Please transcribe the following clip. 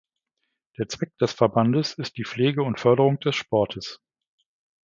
Der Zweck des Verbandes ist die Pflege und Förderung des Sportes.